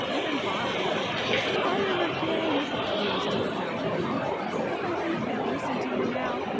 Even Bob giggled. "Try 'em again," wheezed the Cowardly Lion. "I think they'll listen to you now.